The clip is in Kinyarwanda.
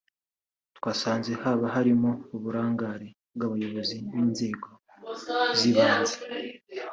twasanze haba harimo uburangare bw’abayobozi b’inzego z’ibanze